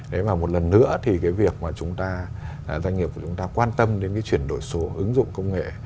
thế và một lần nữa thì cái việc mà chúng ta doanh nghiệp của chúng ta quan tâm đến cái chuyển đổi số ứng dụng công nghệ